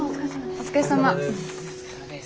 お疲れさまです。